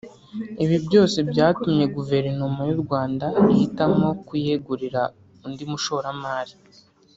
ibi byose byatumye Guverinoma y’u Rwanda ihitamo kuyegurira undi mushoramari